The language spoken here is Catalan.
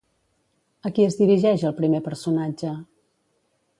A qui es dirigeix el primer personatge?